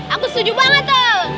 aku setuju banget tuh